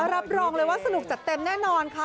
รับรองเลยว่าสนุกจัดเต็มแน่นอนค่ะ